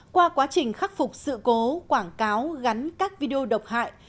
qua quá trình khắc phục sự cố quảng cáo gắn các video độc hại